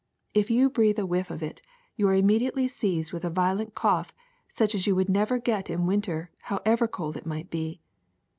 If you breathe a whiff of it, you are immediately seized with a violent cough such as you would never get in winter, however cold it might be.